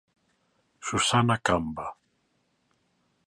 Susana Camba.